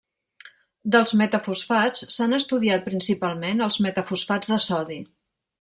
Dels metafosfats s'han estudiat principalment els metafosfats de sodi.